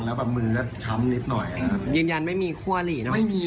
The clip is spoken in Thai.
ปลอดภัยจำได้สิ